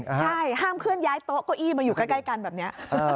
ใช่ห้ามเคลื่อนย้ายโต๊ะเก้าอี้มาอยู่ใกล้กันแบบนี้